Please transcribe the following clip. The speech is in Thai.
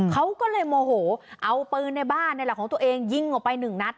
เขาก็เลยโมโหเอาปืนในบ้านนี่แหละของตัวเองยิงออกไปหนึ่งนัด